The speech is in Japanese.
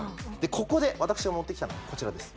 ここで私が持ってきたのがこちらです